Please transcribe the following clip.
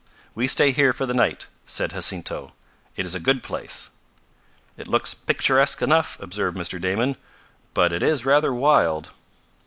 "We stay here for the night," said Jacinto. "It is a good place." "It looks picturesque enough," observed Mr. Damon. "But it is rather wild."